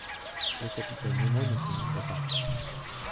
Le capitaine Nemo ne se montrait pas.